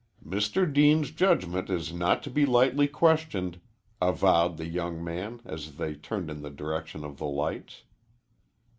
"Mr. Deane's judgment is not to be lightly questioned," avowed the young man, as they turned in the direction of the lights.